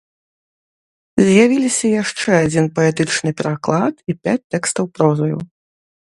З'явіліся яшчэ адзін паэтычны пераклад і пяць тэкстаў прозаю.